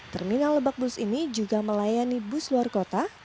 terminal lebak bus ini juga melayani bus luar kota